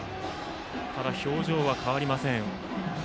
ただ、表情は変わりません。